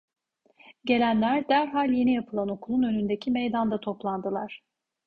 Gelenler derhal yeni yapılan okulun önündeki meydanda toplandılar.